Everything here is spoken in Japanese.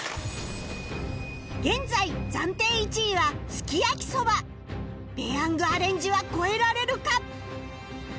現在暫定１位はすき焼きそばペヤングアレンジは超えられるか？